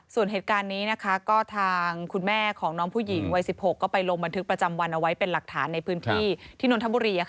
ส่วนเหตุการณ์นี้ก็ทางคุณแม่ของน้องผู้หญิงวัย๑๖ก็ไปลงบันทึกประจำวันเอาไว้เป็นหลักฐานในพื้นที่ที่นนทบุรี